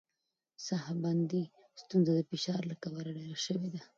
ساه بندي ستونزه د فشار له کبله ډېره شوې ده.